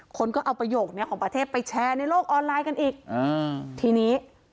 คนก็เอาประโยคนี้ของประเทศไปแชร์ในโลกออนไลน์กันอีกอ่าทีนี้